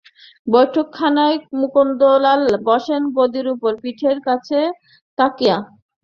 বৈঠকখানার মুকুন্দলাল বসেন গদির উপর, পিঠের কাছে তাকিয়া।